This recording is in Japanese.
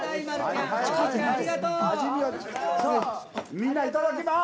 みんな、いただきます！